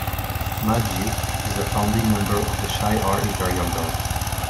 Magique is a founding member of the Shi'ar Imperial Guard.